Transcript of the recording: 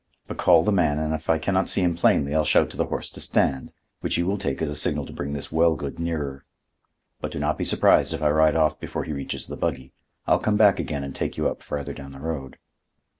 "But call the man and if I can not see him plainly, I'll shout to the horse to stand, which you will take as a signal to bring this Wellgood nearer. But do not be surprised if I ride off before he reaches the buggy. I'll come back again and take you up farther down the road."